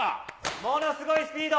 ものすごいスピード。